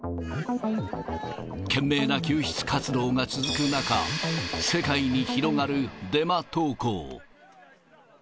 懸命な救出活動が続く中、世界に広がるデマ投稿。